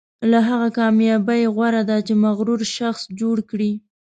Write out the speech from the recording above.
له هغه کامیابۍ غوره ده چې مغرور شخص جوړ کړي.